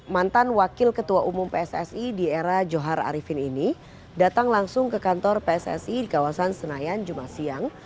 mantan wakil ketua umum pssi di era johar arifin ini datang langsung ke kantor pssi di kawasan senayan jumat siang